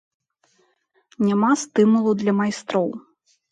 Няма стымулу для майстроў.